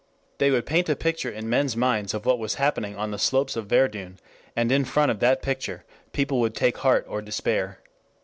They would paint a picture in men's minds of what was happening on the slopes of Verdun, and in front of that picture people would take heart or despair.